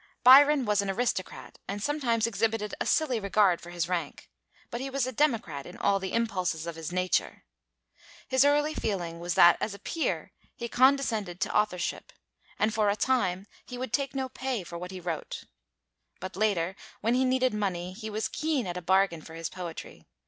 Byron was an aristocrat, and sometimes exhibited a silly regard for his rank; but he was a democrat in all the impulses of his nature. His early feeling was that as a peer he condescended to authorship, and for a time he would take no pay for what he wrote. But later, when he needed money, he was keen at a bargain for his poetry.